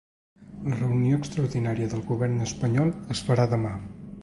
La reunió extraordinària del govern espanyol es farà demà.